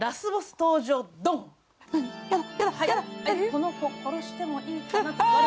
この子、殺してもいいかな。